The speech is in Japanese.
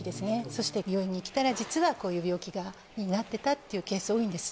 そして病院に来たら実はこういう病気になってたっていうケース多いんです